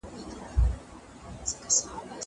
سینه سپينه کړه.